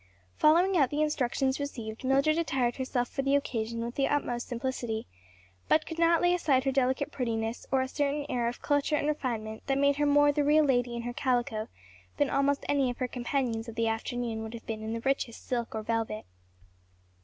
Following out the instructions received, Mildred attired herself for the occasion with the utmost simplicity; but could not lay aside her delicate prettiness or a certain air of culture and refinement that made her more the real lady in her calico, than almost any of her companions of the afternoon would have been in the richest silk or velvet.